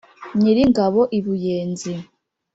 Nyiri ingabo i Buyenzi,